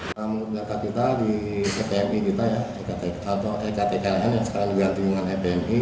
menurut data kita di ktmi kita ya atau ektkn yang sekarang diganti dengan epmi